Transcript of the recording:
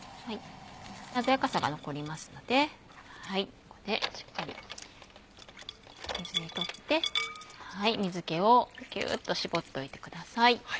鮮やかさが残りますのでここでしっかり水に取って水気をギュっと絞っておいてください。